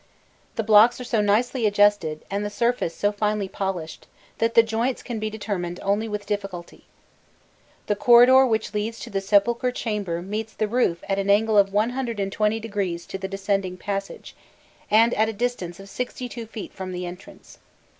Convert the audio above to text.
The blocks are so nicely adjusted, and the surface so finely polished, that the joints can be determined only with difficulty. The corridor which leads to the sepulchral chamber meets the roof at an angle of 120° to the descending passage, and at a distance of 62 feet from the entrance.